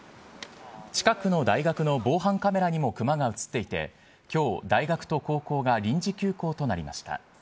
近くの大学の防犯カメラにも熊が写っていて、きょう、大学と高校が臨時休校となりました。